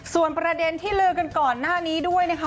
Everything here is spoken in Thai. ส่วนประเด็นที่ลือกันก่อนหน้านี้ด้วยนะคะ